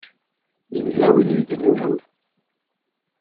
Yella win i yi-d-inulen.